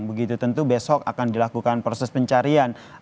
begitu tentu besok akan dilakukan proses pencarian